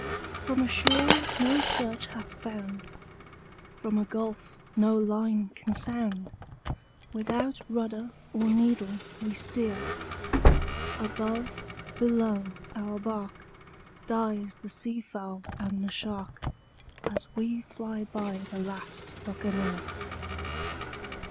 "From a shore no search hath found, from a gulf no line can sound, Without rudder or needle we steer; Above, below, our bark, dies the sea fowl and the shark, As we fly by the last Buccaneer.